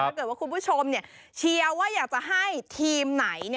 ถ้าเกิดว่าคุณผู้ชมเชียร์ว่าอยากจะให้ทีมไหน